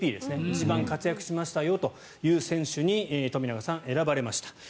一番活躍しましたよという選手に富永さん、選ばれました。